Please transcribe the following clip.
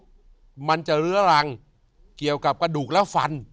เป็นโลกบางโลกมันจะเรื้อรังเกี่ยวกับกระดูกแล้วฟัน